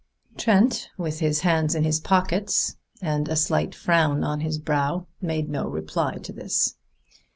Trent, with his hands in his pockets and a slight frown on his brow, made no reply to this.